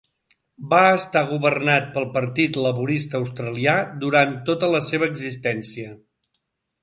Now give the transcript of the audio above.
Va estar governat pel Partit Laborista Australià durant tota la seva existència.